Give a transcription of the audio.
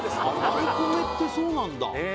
マルコメってそうなんだえ